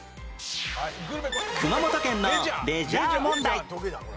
熊本県のレジャー問題